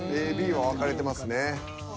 ＡＢは分かれてますね。